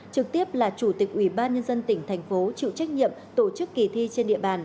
trực tiếp là chủ tịch ủy ban nhân dân tỉnh thành phố chịu trách nhiệm tổ chức kỳ thi trên địa bàn